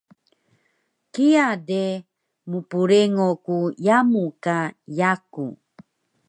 Kiya de mprengo ku yamu ka yaku